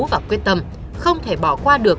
và quyết tâm không thể bỏ qua được